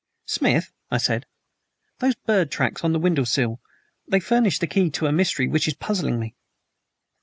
"Smith," I said, "those bird tracks on the window sill they furnish the key to a mystery which is puzzling me."